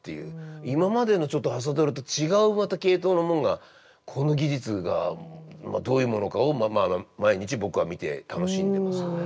今までのちょっと「朝ドラ」と違う系統のものがこの技術がどういうものかを毎日僕は見て楽しんでます。